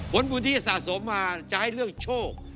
บุญที่สะสมมาจะให้เรื่องโชค